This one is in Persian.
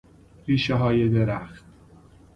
ریشههای درخت